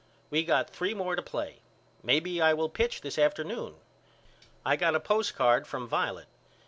We got three more to play. Maybe I will pitch this afternoon. I got a postcard from Violet.